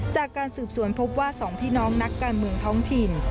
จากการสืบสวนพบว่า๒พี่น้องนักการเมืองท้องถิ่น